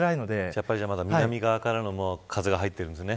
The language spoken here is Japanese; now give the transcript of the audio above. やっぱり、じゃあ南側からの風が入っているんですね。